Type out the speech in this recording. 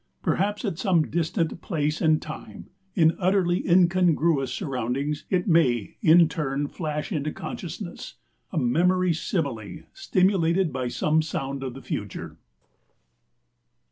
Perhaps at some distant place and time, in utterly incongruous surroundings, it may in turn flash into consciousness a memory simile stimulated by some sound of the future.